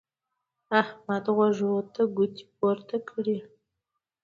احمد غوږو ته ګوتې پورته کړې.